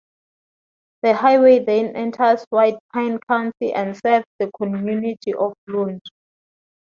The highway then enters White Pine County and serves the community of Lund.